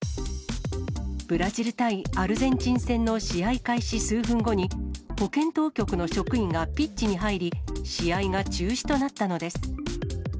ブラジル対アルゼンチン戦の試合開始数分後に、保健当局の職員がピッチに入り、試合が中止となったのです。